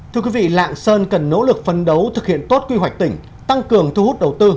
thưa quý vị lạng sơn cần nỗ lực phân đấu thực hiện tốt quy hoạch tỉnh tăng cường thu hút đầu tư